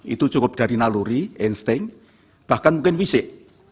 itu cukup dari naluri insting bahkan mungkin fisik